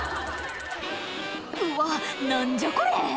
うわ何じゃこれ！